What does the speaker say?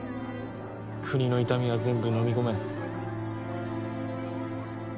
国の痛みは全部のみ込め。